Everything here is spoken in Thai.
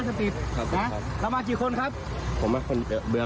อันนี้อันไรครับผมถามเพื่อนต้นก่อนนี้อันนี้ก็อะไร